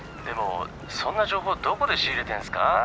でもそんな情報どこで仕入れてんすか？」。